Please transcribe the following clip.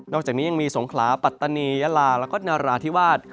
อกจากนี้ยังมีสงขลาปัตตานียาลาแล้วก็นราธิวาส